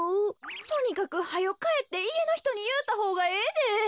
とにかくはよかえっていえのひとにいうたほうがええで。